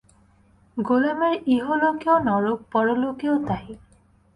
গোলামের ইহলোকেও নরক, পরলোকেও তাই।